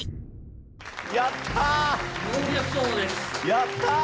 やったー。